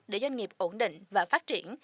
để doanh nghiệp ổn định và phát triển